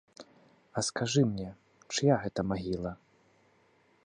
А скажы мне, чыя гэта магіла?